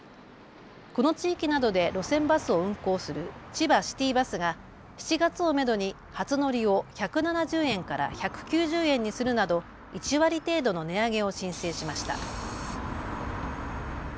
この地域などで路線バスを運行するちばシティバスが７月をめどに初乗りを１７０円から１９０円にするなど１割程度の値上げを申請しました。